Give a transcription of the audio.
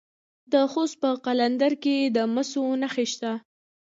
د خوست په قلندر کې د مسو نښې شته.